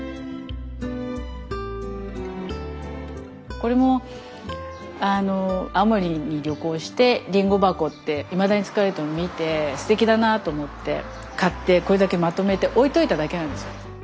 これも青森に旅行してりんご箱っていまだに使われているのを見てすてきだなと思って買ってこれだけまとめて置いといただけなんですよ。